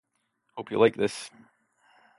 Hope you like this.